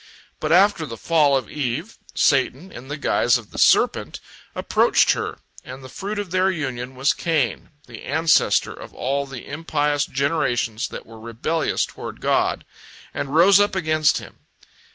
But after the fall of Eve, Satan, in the guise of the serpent, approached her, and the fruit of their union was Cain, the ancestor of all the impious generations that were rebellious toward God, and rose up against Him.